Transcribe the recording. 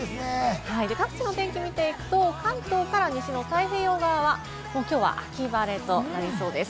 各地の天気を見ていくと、関東から西の太平洋側は、きょうは秋晴れとなりそうです。